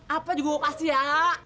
apa juga mau kasih ya